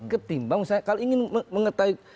ketimbang saya kalau ingin mengetahui